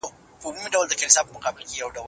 پنځه جمع پنځه؛ لس کېږي.